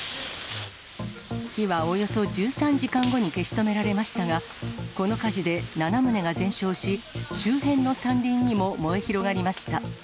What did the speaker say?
火はおよそ１３時間後に消し止められましたが、この火事で７棟が全焼し、周辺の山林にも燃え広がりました。